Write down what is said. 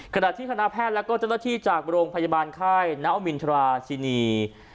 ขณะที่คณะแพทย์และก็เจ้าหน้าที่จากโรงพยาบาลค่ายนอมินทราชินี